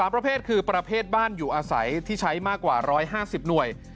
ประเภทคือประเภทบ้านอยู่อาศัยที่ใช้มากกว่า๑๕๐หน่วย